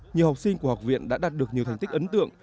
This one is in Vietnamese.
nhiều học sinh của học viện đã đạt được nhiều thành tích ấn tượng